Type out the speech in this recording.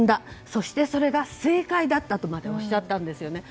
そしてそれが正解だったとまでおっしゃったんですね。